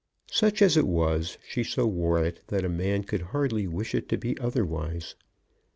Such as it was, she so wore it that a man could hardly wish it to be otherwise.